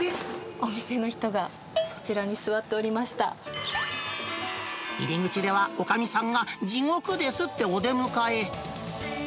お店の人が、そちらに座って入り口ではおかみさんが地獄ですってお出迎え。